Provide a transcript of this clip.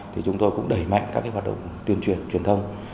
thì chúng tôi cũng đẩy mạnh các hoạt động tuyên truyền truyền thông